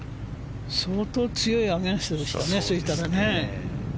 相当強いアゲンストでしたね。